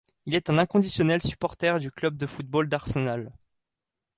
Il est un inconditionnel supporter du club de football d'Arsenal.